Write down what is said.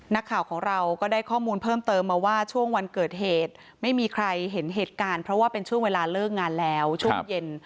นักข่าวของเราก็ได้ข้อมูลเพิ่มเติมมาว่าช่วงวันเกิดเหตุไม่มีใครเห็นเหตุการณ์เพราะว่าเป็นช่วงเวลาเลิกงานแล้วช่วงเย็น